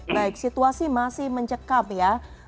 baik situasi masih mencekam ya